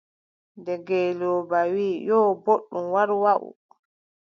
Nde ngeelooba wii :« yo, booɗɗum war waʼu. ».